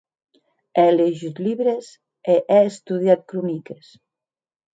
È liejut libres e è estudiat croniques.